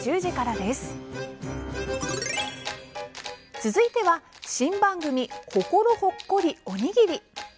続いては、新番組「ココロほっこりおにぎり」。